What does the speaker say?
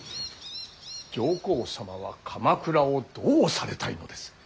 上皇様は鎌倉をどうされたいのです。